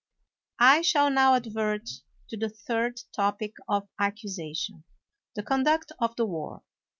I shall now advert to the third topic of accu sation — the conduct of the war.